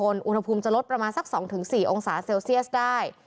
อุณหภูมิจะลดประมาณสัก๒๔องศาเซลเซียสได้